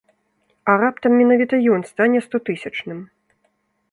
А раптам менавіта ён стане стотысячным?